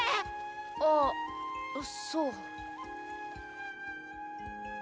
ああそう。